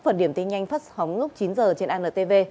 và điểm tin nhanh phát sóng lúc chín h trên antv